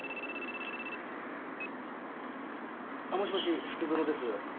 あもしもし福園です。